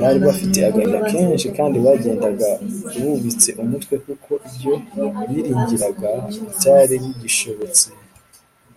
bari bafite agahinda kenshi, kandi bagendaga bubitse umutwe kuko ibyo biringiraga bitari bigishobotse